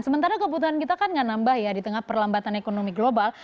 sementara kebutuhan kita kan nggak nambah ya di tengah perlambatan ekonomi global